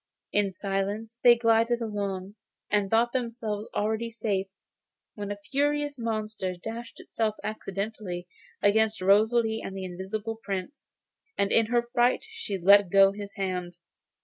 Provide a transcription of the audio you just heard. In silence they glided along, and thought themselves already safe, when a furious monster dashed itself by accident against Rosalie and the Invisible Prince, and in her fright she let go his hand.